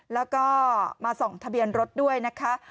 แล้วก็มาส่องทะเบียนรถด้วยนะคะ